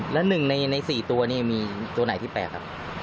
แล้ว๑ใน๔ตัวนี้มีตัวไหนที่แปลกครับ